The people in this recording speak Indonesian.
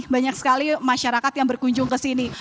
banyak sekali masyarakat yang berkunjung ke sini